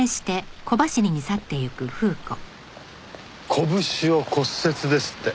拳を骨折ですって。